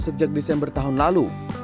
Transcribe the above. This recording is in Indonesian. sejak desember tahun lalu